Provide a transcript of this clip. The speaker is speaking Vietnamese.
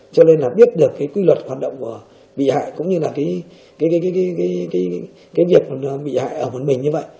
cho nên là biết được cái quy luật hoạt động của bị hại cũng như là cái việc bị hại ở một mình như vậy